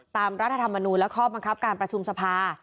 รัฐธรรมนูลและข้อบังคับการประชุมสภา